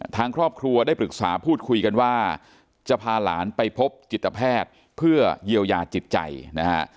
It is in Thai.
ทางครอบครัวได้ปรึกษาพูดคุยกันว่าจะพาหลานไปพบจิตแพทย์เพื่อเยียวยาจิตใจนะฮะ